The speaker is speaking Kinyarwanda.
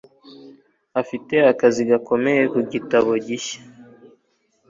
Afite akazi gakomeye ku gitabo gishya